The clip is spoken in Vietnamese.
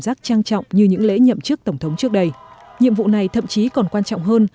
giác trang trọng như những lễ nhậm chức tổng thống trước đây nhiệm vụ này thậm chí còn quan trọng hơn